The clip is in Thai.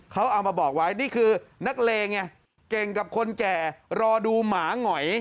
เขาเอามาบอกไว้นี่คือนักเลงไงเก่งกับคนแก่รอดูหมาหงอย